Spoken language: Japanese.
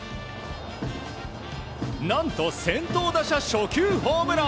何と、先頭打者初球ホームラン。